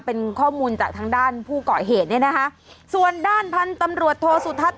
เป็นข้อมูลจากทางด้านผู้เกาะเหตุเนี่ยนะคะส่วนด้านพันธุ์ตำรวจโทสุทัศน